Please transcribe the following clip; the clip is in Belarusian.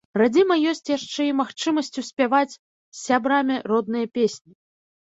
Радзіма ёсць яшчэ і магчымасцю спяваць з сябрамі родныя песні.